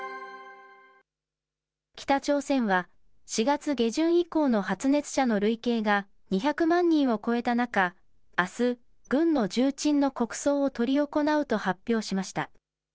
北朝鮮は、４月下旬以降の発熱者の累計が２００万人を超えた中、あす、軍の重鎮の国葬を執り行うと発表しました。